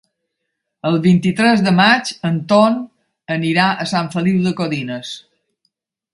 El vint-i-tres de maig en Ton anirà a Sant Feliu de Codines.